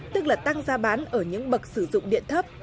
tức là tăng giá bán ở những bậc sử dụng điện thấp